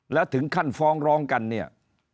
แล้วถึงขั้นฟ้องร้องกันเนี่ย